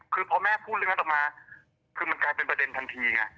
คือพอแม่พูดเรื่องนั้นออกมาคือมันกลายเป็นประเด็นทันทีไง